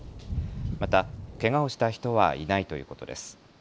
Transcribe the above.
またけがをした人はいないということです。